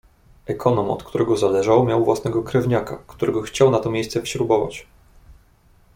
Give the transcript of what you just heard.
"Ekonom, od którego zależał, miał własnego krewniaka, którego chciał na to miejsce wśrubować."